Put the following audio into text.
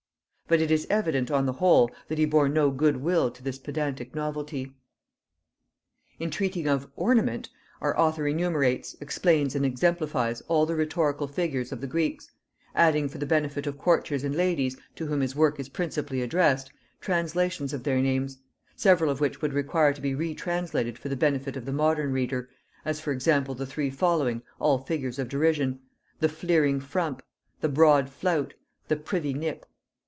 But it is evident on the whole, that he bore no good will to this pedantic novelty. In treating of "Ornament," our author enumerates, explains and exemplifies all the rhetorical figures of the Greeks; adding, for the benefit of courtiers and ladies, to whom his work is principally addressed, translations of their names; several of which would require to be retranslated for the benefit of the modern reader, as for example the three following, all figures of derision: "The fleering frump;" "The broad flout;" "The privy nip."